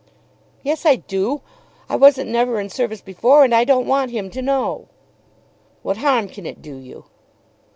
"Yes I do. I wasn't never in service before, and I don't want him to know." "What harm can it do you?"